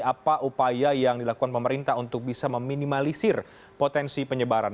apa upaya yang dilakukan pemerintah untuk bisa meminimalisir potensi penyebaran